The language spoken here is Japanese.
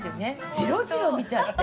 ジロジロ見ちゃって。